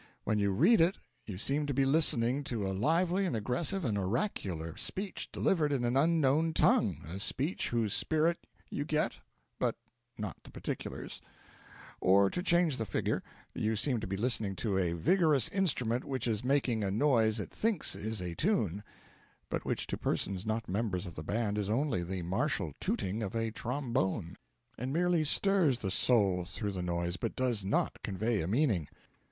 When you read it you seem to be listening to a lively and aggressive and oracular speech delivered in an unknown tongue, a speech whose spirit you get but not the particulars; or, to change the figure, you seem to be listening to a vigorous instrument which is making a noise it thinks is a tune, but which to persons not members of the band is only the martial tooting of a trombone, and merely stirs the soul through the noise but does not convey a meaning.